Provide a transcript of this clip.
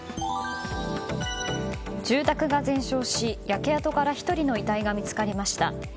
住宅が全焼し、焼け跡から１人の遺体が見つかりました。